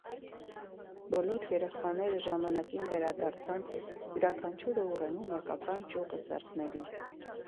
Բոլոր երեխաները ժամանակին վերադարձան՝ յուրաքանչյուրը ուռենու մեկական ճյուղը ձեռքներին։